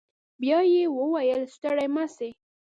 بيا يې وويل ستړي مه سئ.